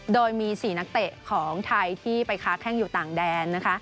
โดยมี๔นักเตะของไทยที่ไปค้าแข้งอยู่ต่างแดนนะคะ